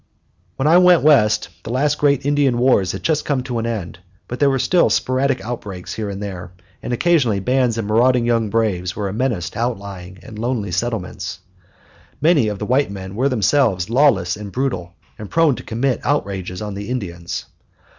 When I went West, the last great Indian wars had just come to an end, but there were still sporadic outbreaks here and there, and occasionally bands of marauding young braves were a menace to outlying and lonely settlements. Many of the white men were themselves lawless and brutal, and prone to commit outrages on the Indians.